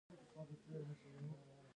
لکه نور او هوا څه شی دي؟